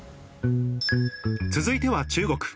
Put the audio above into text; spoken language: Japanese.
続いては中国。